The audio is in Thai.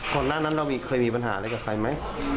หน้านั้นเราเคยมีปัญหาอะไรกับใครไหม